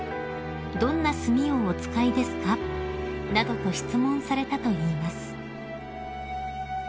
「どんな墨をお使いですか？」などと質問されたといいます］